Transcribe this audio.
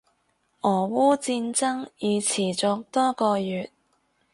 俄烏戰爭已持續多個月